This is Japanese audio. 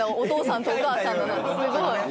すごい！